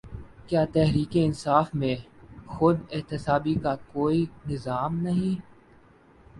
کیا تحریک انصاف میں خود احتسابی کا کوئی نظام ہے؟